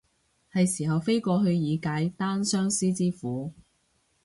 係時候飛過去以解單相思之苦